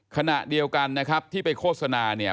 ขณะเดียวกันนะครับที่ไปโฆษณาเนี่ย